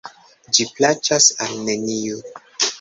Ĝi plaĉas al neniu.